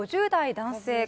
５０代男性